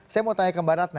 saya mau tanya ke mbak ratna